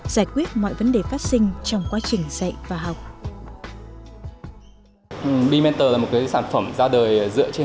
giải quyết mọi vấn đề phát sinh trong quá trình dạy